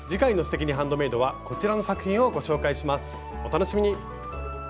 お楽しみに！